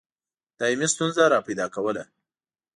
دایمي ستونزه را پیدا کوله.